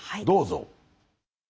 どうぞ。